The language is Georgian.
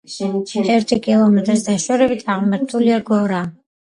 ერთი კილომეტრის დაშორებით აღმართულია გორა